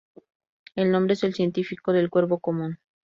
El nombre es el científico del cuervo común.